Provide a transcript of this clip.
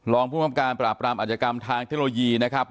รองผู้บังคับการปราบรามอาจกรรมทางเทคโนโลยีนะครับ